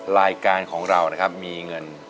รายการของเรานะครับมีเงิน